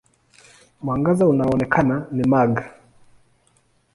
Mwangaza unaoonekana ni mag.